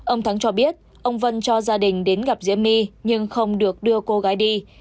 ông thắng cho biết ông văn cho gia đình đến gặp diễm my nhưng không được đưa cô gái đi